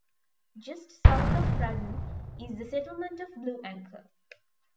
Just south of Fraddon is the settlement of Blue Anchor.